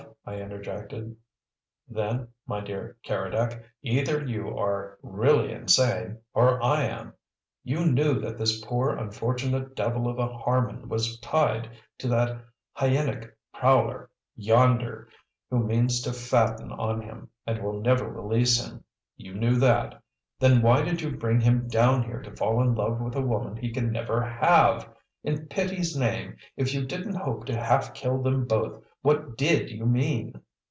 I interjected. "Then, my dear Keredec, either you are really insane or I am! You knew that this poor, unfortunate devil of a Harman was tied to that hyenic prowler yonder who means to fatten on him, and will never release him; you knew that. Then why did you bring him down here to fall in love with a woman he can never have? In pity's name, if you didn't hope to half kill them both, what DID you mean?"